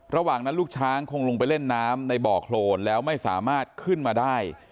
ระหว่างนั้นลูกช้างคงลงไปเล่นน้ำในบ่อโครนแล้วไม่สามารถขึ้นมาได้